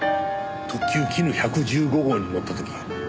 特急きぬ１１５号に乗った時。